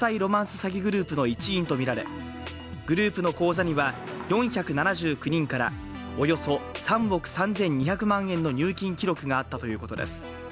詐欺グループの一員とみられグループの口座には４７９人からおよそ３億３２００万円の入金記録があったということです。